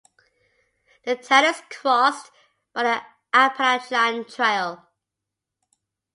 The town is crossed by the Appalachian Trail.